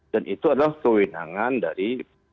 dan itu adalah kewenangan dari